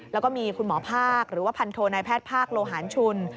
แล้วก็มีคุณหมอภาคหรือว่าพันโทนายแพทย์ภาคโลหารชุน